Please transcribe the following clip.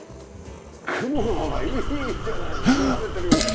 雲がほらいいじゃない流れてるよ。